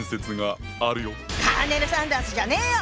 カーネル・サンダースじゃねよ！